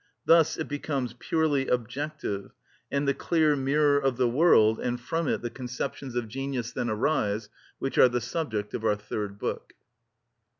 Thus it becomes purely objective, and the clear mirror of the world, and from it the conceptions of genius then arise, which are the subject of our third book.